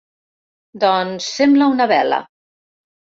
Doncs sembla una vela.